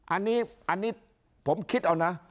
อันนี้ผมคิดเอานะ